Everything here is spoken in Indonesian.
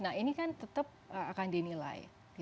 nah ini kan tetap akan dinilai